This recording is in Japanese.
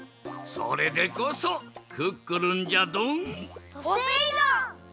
それでこそクックルンじゃドン！